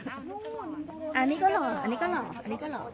อันนี้ก็หลอกอันนี้ก็หลอก